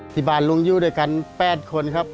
ที่บ้านลุงอยู่ด้วยกัน๘คนครับ